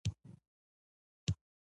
هر نر او ښځه اړتیا لري.